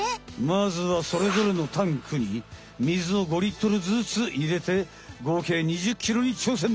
まずはそれぞれのタンクにみずを５リットルずついれてごうけい２０ｋｇに挑戦！